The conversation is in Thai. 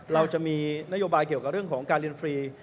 เราจะมีนโยบายเกี่ยวกับเรื่องของการเรียนฟรี